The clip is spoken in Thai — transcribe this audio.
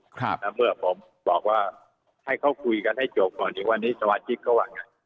แล้วเมื่อผมบอกว่าให้เขาคุยกันให้จบก่อนถึงวันนี้สมาชิกเขาว่าไง